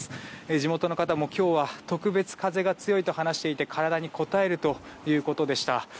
地元の方も今日は特別、風が強いと話していて体にこたえるということでした。